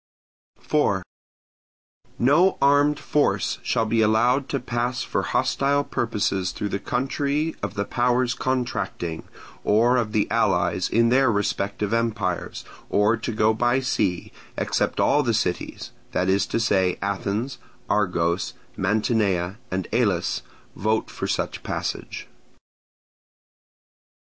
4. No armed force shall be allowed to pass for hostile purposes through the country of the powers contracting, or of the allies in their respective empires, or to go by sea, except all the cities—that is to say, Athens, Argos, Mantinea, and Elis—vote for such passage.